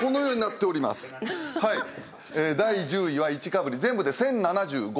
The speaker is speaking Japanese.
第１０位は１かぶり全部で１，０７５スポット。